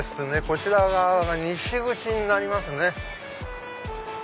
こちら側が西口になりますね。